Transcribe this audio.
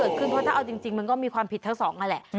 เพราะถ้าเอาจริงมันก็มีความผิดทั้งสองนั่นแหละ